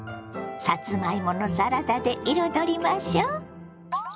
さつまいものサラダで彩りましょう。